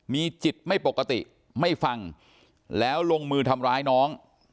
มีจิตไม่ปกติไม่ฟังแล้วลงมือทำร้ายน้อง